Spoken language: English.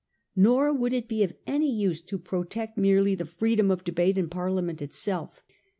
Nor would it be of any use to protect merely the freedom of debate in Parliament itself.